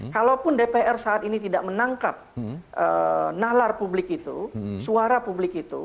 kalaupun dpr saat ini tidak menangkap nalar publik itu suara publik itu